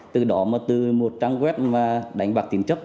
từ đó mà từ một trang web mà đánh bạc tín chấp